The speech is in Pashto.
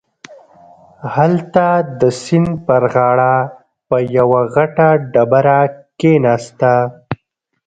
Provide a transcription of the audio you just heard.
هلته د سيند پر غاړه په يوه غټه ډبره کښېناسته.